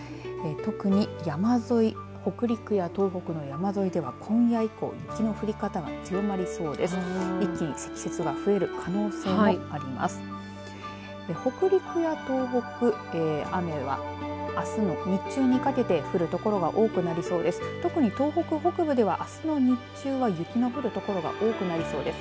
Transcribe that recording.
特に、山沿い北陸や東北の山沿いでは今夜以降、雪の降り方が強まりそうです。